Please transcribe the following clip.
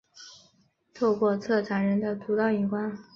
透过策展人的独到眼光